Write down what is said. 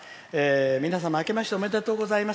「皆様あけましておめでとうございます。